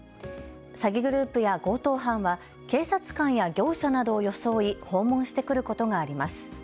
詐欺グループや強盗犯は警察官や業者などを装い訪問してくることがあります。